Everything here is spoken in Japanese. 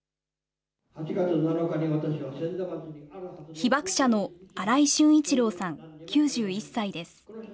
被爆者の新井俊一郎さん９１歳です。